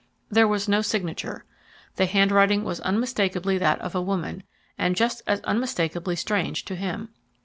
There was no signature. The handwriting was unmistakably that of a woman, and just as unmistakably strange to him.